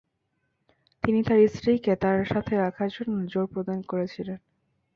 তিনি তার স্ত্রীকে তার সাথে রাখার জন্য জোর প্রদান করেছিলেন।